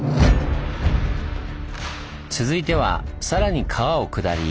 続いてはさらに川を下り